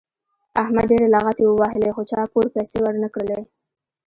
احمد ډېرې لغتې ووهلې خو چا پور پیسې ور نه کړلې.